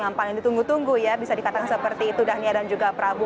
yang paling ditunggu tunggu ya bisa dikatakan seperti itu dania dan juga prabu